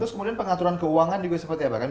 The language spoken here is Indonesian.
terus kemudian pengaturan keuangan juga seperti apa kan